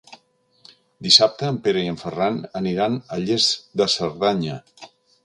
Dissabte en Pere i en Ferran aniran a Lles de Cerdanya.